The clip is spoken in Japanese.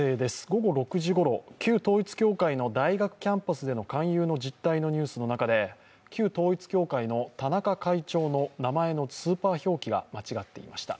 午後６時ごろ、旧統一教会の大学キャンパスでの勧誘の実態のニュースの中で、旧統一教会の田中会長の名前のスーパー表記が間違っていました。